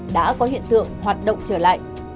đã có hiện tượng hoạt động trở lại